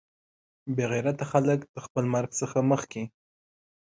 بې غیرته خلک د خپل مرګ څخه مخکې.